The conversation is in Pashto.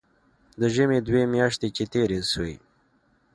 د ژمي دوې مياشتې چې تېرې سوې.